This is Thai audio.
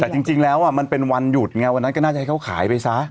แต่จริงแล้วมันเป็นวันหยุดไงวันนั้นก็น่าจะให้เขาขายไปซะ